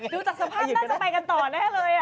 ดูจากสภาพน่าจะไปกันต่อแน่เลย